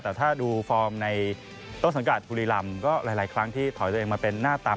แต่ถ้าดูฟอร์มในต้นสังกัดบุรีรำก็หลายครั้งที่ถอยตัวเองมาเป็นหน้าตาม